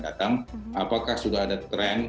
datang apakah sudah ada tren